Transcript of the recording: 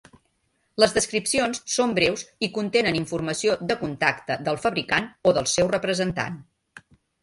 Les descripcions són breus i contenen informació de contacte del fabricant o del seu representant.